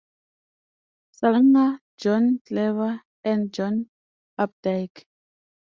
Salinger, John Cheever, and John Updike.